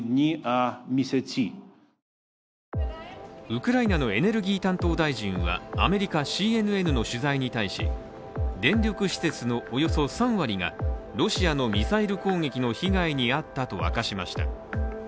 ウクライナのエネルギー担当大臣はアメリカＣＮＮの取材に対し電力施設のおよそ３割がロシアのミサイル攻撃の被害に遭ったと明かしました。